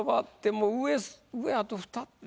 もう上あと２つ。